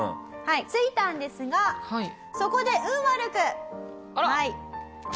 着いたんですがそこで運悪く。